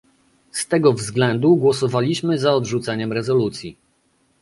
Z tego względu głosowaliśmy za odrzuceniem rezolucji